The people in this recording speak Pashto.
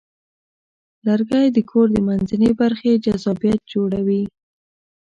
لرګی د کور د منځنۍ برخې جذابیت جوړوي.